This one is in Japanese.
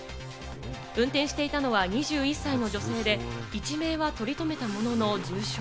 運転していたのは２１歳の女性で、一命はとりとめたものの重傷。